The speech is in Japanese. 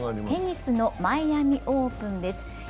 テニスのマイアミ・オープンです。